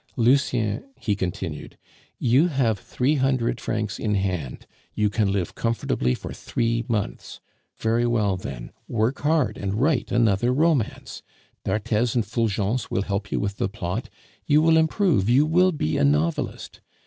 Lucien," he continued, "you have three hundred francs in hand; you can live comfortably for three months; very well, then, work hard and write another romance. D'Arthez and Fulgence will help you with the plot; you will improve, you will be a novelist.